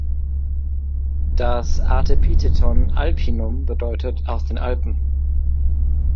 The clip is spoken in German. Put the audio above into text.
Das Artepitheton "alpinum" bedeutet „aus den Alpen“.